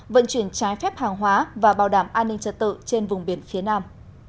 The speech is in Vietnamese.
vận chuyển trái phép hàng hóa và bảo đảm an ninh trật tự trên vùng biển phía nam